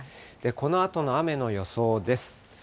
このあとの雨の予想です。